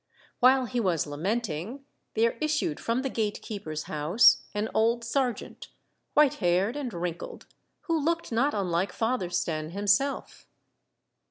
While he was lamenting, there issued from the gate keeper's house an old sergeant, white haired and wrinkled, who looked not unlike Father Stenne himself.